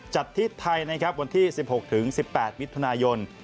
จัดที่ไทยนะครับวันที่๑๖๑๘มิถุนายน